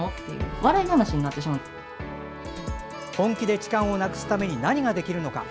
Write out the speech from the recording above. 本気で痴漢をなくすために何ができるのか。